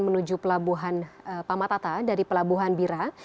menuju pelabuhan pamatata dari pelabuhan bira